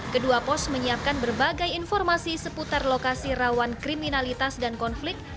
kedua pos menyiapkan berbagai informasi seputar lokasi rawan kriminalitas dan konflik